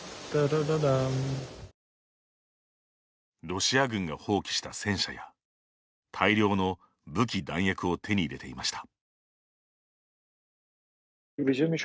ロシア軍が放棄した戦車や大量の武器、弾薬を手に入れていました。